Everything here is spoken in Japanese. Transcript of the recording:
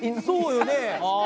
そうよね。